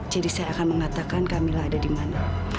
jadi saya akan mengatakan kamil ada di mana